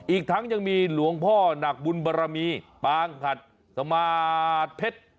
อีกทั้งยังมีหลวงพ่อหนักบุญบรมีปางหัดสมาธิเพชร